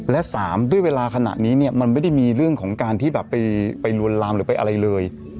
และ๓ด้วยเวลาขณะนี้เนี่ยมันไม่ได้มีเรื่องของการที่แบบไปลวนลามหรือไปอะไรเลย